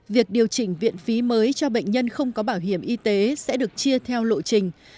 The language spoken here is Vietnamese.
việc điều chỉnh viện phí mới cho bệnh nhân không có bảo hiểm y tế sẽ được chia theo lộ trình